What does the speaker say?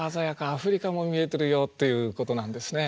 アフリカも見えてるよ」ということなんですね。